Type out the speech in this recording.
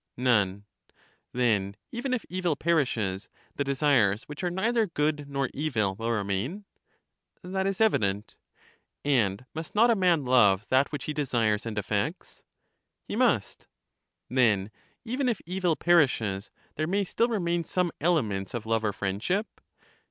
None. Then, even if evil perishes, the desires which are neither good nor evil will remain? That is evident. And must not a man love that which he desires and affects? LYSIS 77 He must. Then, even if evil perishes, there may still remain some elements of love or friendship?